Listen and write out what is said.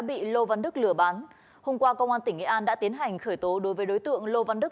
bị lô văn đức lừa bán hôm qua công an tỉnh nghệ an đã tiến hành khởi tố đối với đối tượng lô văn đức